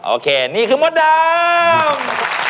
โอเคนี่คือมดดำ